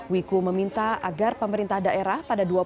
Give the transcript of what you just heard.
wiko meminta agar pemerintah daerah pada dua ribu dua puluh satu